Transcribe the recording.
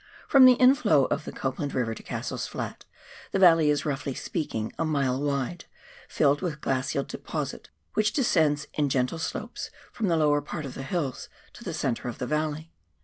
From the inflow of the Copland River to Cassell's Flat, the valley is, roughly speaking, a mile wide, filled with glacial deposit, which descends in gentle slopes from the lower part of the hills to the centre of the valley.